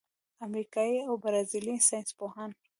امریکايي او برازیلي ساینسپوهانو